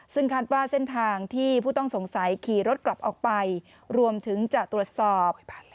ซึ่งคาดว่าเส้นทางที่ผู้ต้องสงสัยขี่รถกลับออกไปรวมถึงจะตรวจสอบ